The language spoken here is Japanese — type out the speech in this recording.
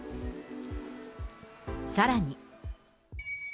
さらに。